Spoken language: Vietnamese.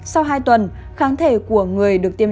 sau hai tuần kháng thể của người được tiêm